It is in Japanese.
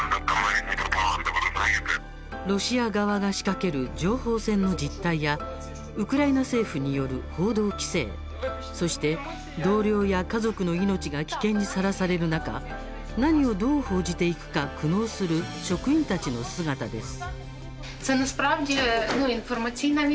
ロシア側が仕掛ける情報戦の実態やウクライナ政府による報道規制そして、同僚や家族の命が危険にさらされる中何をどう報じていくか苦悩する職員たちの姿です。